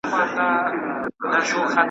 په مړانه زړه راغونډ کړو د قسمت سره جنګیږو .